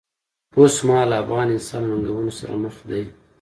اوسمهالی افغان انسان له ننګونو سره مخ دی.